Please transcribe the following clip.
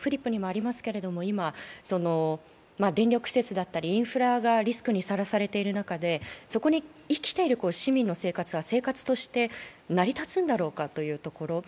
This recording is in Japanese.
今、電力施設だったりインフラがリスクにさらされている中でそこに生きている市民の生活は生活として成り立つんだろうかというところ。